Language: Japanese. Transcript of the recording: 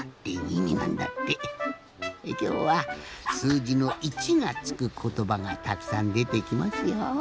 きょうはすうじの一がつくことばがたくさんでてきますよ。